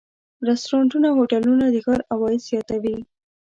رستورانتونه او هوټلونه د ښار عواید زیاتوي.